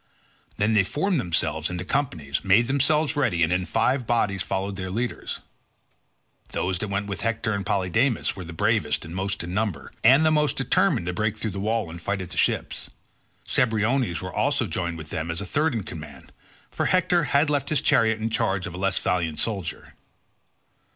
Then they formed themselves into companies, made themselves ready, and in five bodies followed their leaders. Those that went with Hector and Polydamas were the bravest and most in number, and the most determined to break through the wall and fight at the ships. Cebriones was also joined with them as third in command, for Hector had left his chariot in charge of a less valiant soldier.